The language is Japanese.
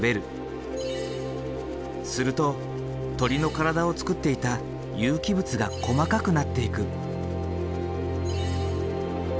すると鳥の体をつくっていた有機物が細かくなっていく。